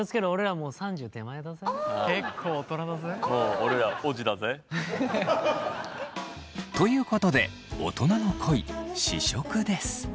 もう俺らオジだぜ。ということで大人の恋試食です。